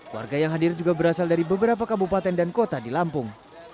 warga yang hadir juga berasal dari beberapa kabupaten dan kota di lampung